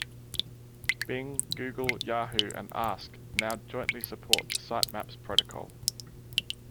Bing, Google, Yahoo and Ask now jointly support the Sitemaps protocol.